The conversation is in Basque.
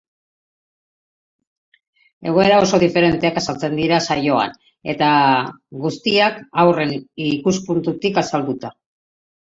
Egoera oso diferenteak azaltzen dira saioan eta guztiak haurren ikuspuntutik azalduta.